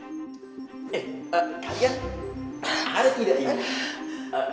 eh kalian aresus tidak ini kan